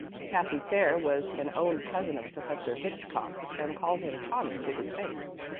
Cathy Fair was an own cousin of Professor Hitchcock's, and called him "Tommy" to his face.